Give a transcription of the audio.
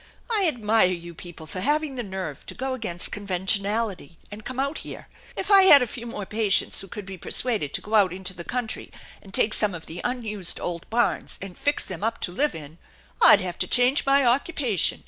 I admire you people for having the nerve to go against conventionality and come out here. If I had a few more patients who could be persuaded to go out into the country and take some of the unused old barns and fix them up to live in, I'd have to change my occupation.